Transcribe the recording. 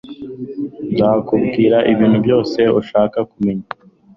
Nzakubwira ibintu byose ushaka kumenya.